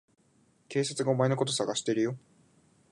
警察がお前のこと捜してるよ。